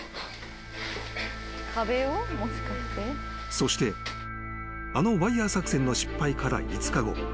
［そしてあのワイヤ作戦の失敗から５日後］